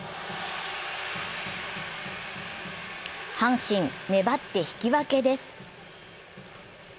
阪神、粘って引き分けです。